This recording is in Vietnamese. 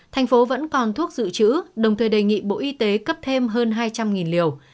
thành phố vẫn còn thuốc dự trữ đồng thời đề nghị bộ y tế cấp thêm hơn hai trăm linh liều